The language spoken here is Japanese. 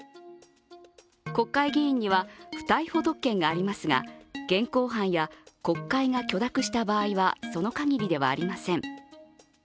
国会議員には不逮捕特権がありますが、現行犯や国会が許諾した場合は、その限りではありません。